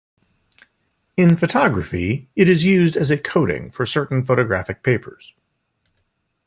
In photography it is used as a coating for certain photographic papers.